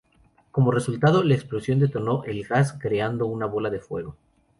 Como resultado, la explosión detonó el gas, creando una bola de fuego.